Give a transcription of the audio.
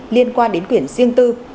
liên quan đến quyển riêng tư